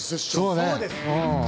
そうです。